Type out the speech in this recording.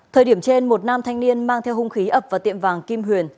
thời điểm trên một nam thanh niên mang theo hung khí ập vào tiệm vàng kim huyền